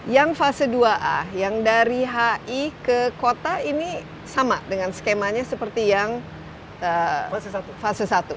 yang fase dua a yang dari hi ke kota ini sama dengan skemanya seperti yang fase satu